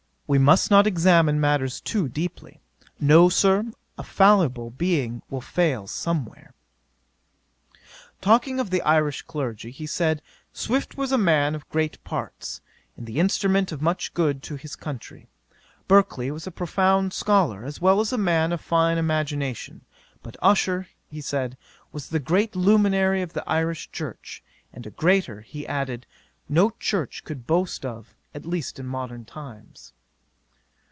We must not examine matters too deeply No, Sir, a fallible being will fail somewhere." 'Talking of the Irish clergy, he said, Swift was a man of great parts, and the instrument of much good to his country. Berkeley was a profound scholar, as well as a man of fine imagination; but Usher, he said, was the great luminary of the Irish church; and a greater, he added, no church could boast of; at least in modern times.